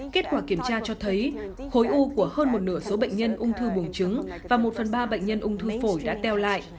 kết quả kiểm tra cho thấy khối u của hơn một nửa số bệnh nhân ung thư buồng trứng và một phần ba bệnh nhân ung thư phổi đã teo lại